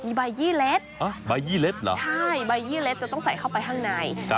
มีใบยี่เล็ดใบยี่เล็ดเหรอใช่ใบยี่เล็ดจะต้องใส่เข้าไปข้างใน